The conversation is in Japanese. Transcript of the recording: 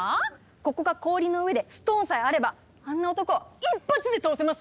ここが氷の上でストーンさえあればあんな男一発で倒せます！